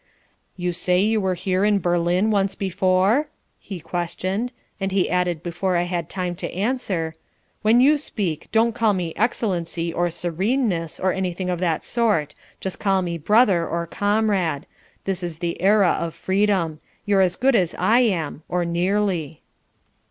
"You say you were here in Berlin once before?" he questioned, and he added before I had time to answer: "When you speak don't call me 'Excellency' or 'Sereneness' or anything of that sort; just call me 'brother' or 'comrade.' This is the era of freedom. You're as good as I am, or nearly."